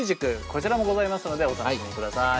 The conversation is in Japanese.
こちらもございますのでお楽しみください。